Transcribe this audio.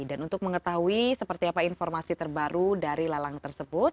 dan untuk mengetahui seperti apa informasi terbaru dari lelang tersebut